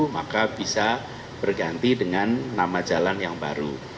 maka bisa berganti dengan nama jalan yang baru